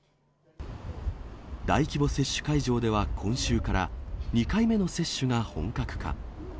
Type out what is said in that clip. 大規模接種会場では今週から、２回目の接種が本格化。